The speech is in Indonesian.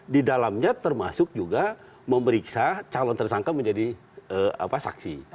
di dalamnya termasuk juga memeriksa calon tersangka menjadi saksi